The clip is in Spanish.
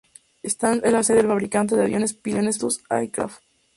Stans es la sede del fabricante de aviones Pilatus Aircraft.